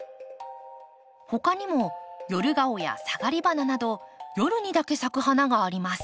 他にもヨルガオやサガリバナなど夜にだけ咲く花があります。